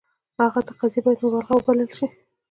د هغه قضیې باید مبالغه وبلل شي.